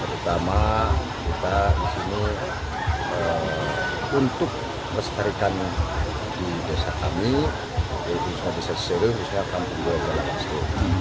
terutama kita disini untuk melestarikan di desa kami yaitu kampung jalawastu